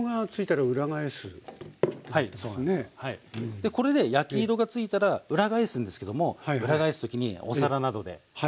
でこれで焼き色がついたら裏返すんですけども裏返す時にお皿などで受け止めて一度裏返し。